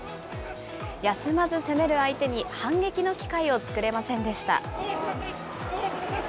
休まず攻める相手に反撃の機会を作れませんでした。